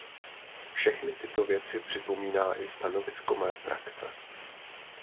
Všechny tyto věci připomíná i stanovisko mé frakce.